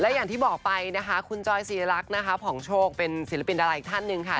อย่างที่บอกไปนะคะคุณจอยศิริรักษ์นะคะผ่องโชคเป็นศิลปินดาราอีกท่านหนึ่งค่ะ